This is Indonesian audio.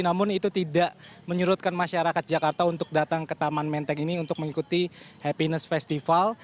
namun itu tidak menyerutkan masyarakat jakarta untuk datang ke taman menteng ini untuk mengikuti happiness festival